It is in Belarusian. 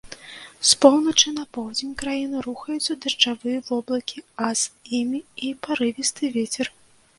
З поўначы на поўдзень краіны рухаюцца дажджавыя воблакі, а з імі і парывісты вецер.